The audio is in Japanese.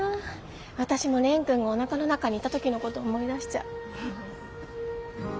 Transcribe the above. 私も蓮くんがおなかの中にいた時のこと思い出しちゃう。